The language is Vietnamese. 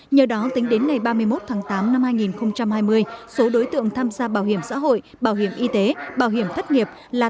nhờ đó tính đến ngày ba mươi một tháng tám năm hai nghìn hai mươi số đối tượng tham gia bảo hiểm xã hội việt nam đã tổ chức đại hội thi đua yêu nước